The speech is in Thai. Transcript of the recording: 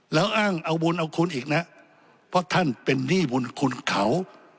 แล้วอ้างเอาบุญเอาคุณอีกนะเพราะท่านเป็นหนี้บุญคุณเขา